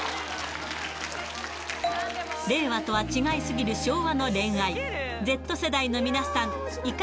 令和とは違いすぎる昭和の恋愛。